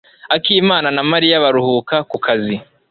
akimana na Mariya baruhuka ku kazi.